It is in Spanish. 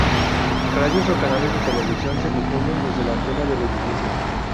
Radios o canales de televisión se difunden desde la antena del edificio.